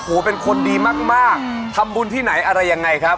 โอ้โหเป็นคนดีมากทำบุญที่ไหนอะไรยังไงครับ